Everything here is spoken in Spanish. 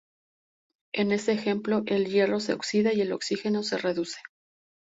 En ese ejemplo, el hierro se oxida y el oxígeno se reduce.